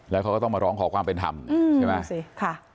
แล้วเขาก็ต้องมาร้องขอความเป็นธรรมใช่ไหม